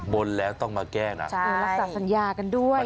บนแล้วต้องมาแก้นะรักษาสัญญากันด้วย